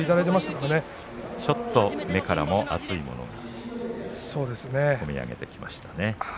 このときは目からも熱いものが込み上げてきましたね。